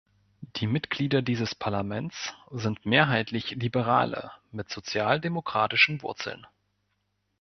Die Mitglieder dieses Parlaments sind mehrheitlich Liberale mit sozialdemokratischen Wurzeln.